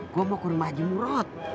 gue mau ke rumah haji murad